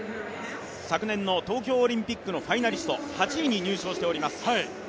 昨年の東京オリンピックのファイナリスト８位に入賞しております。